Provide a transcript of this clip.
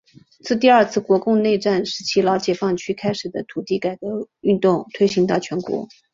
自第二次国共内战时期老解放区开始的土地改革运动推行到全国。